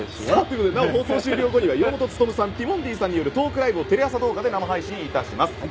そして放送終了後には岩本勉さん、ティモンディさんのトークライブをテレ朝動画で生配信します。